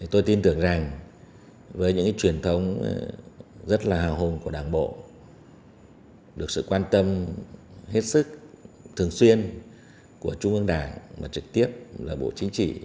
tôi tin tưởng rằng với những truyền thống rất là hào hùng của đảng bộ được sự quan tâm hết sức